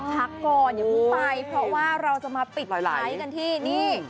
พักก่อนอย่าเพิ่งไปเพราะว่าเราจะมาปิดท้ายกันที่นี่